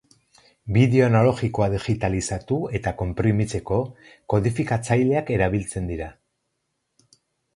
Bideo analogikoa digitalizatu eta konprimitzeko kodifikatzaileak erabiltzen dira.